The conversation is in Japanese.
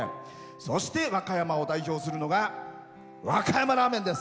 そして、和歌山を代表するのが和歌山ラーメンです。